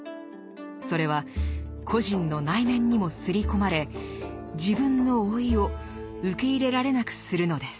それは個人の内面にも刷り込まれ自分の老いを受け入れられなくするのです。